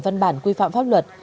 văn bản quy phạm pháp luật